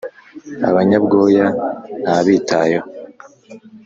abanyabwoya ntabitayeho